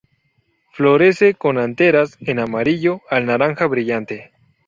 Florece con anteras en amarillo al naranja brillante.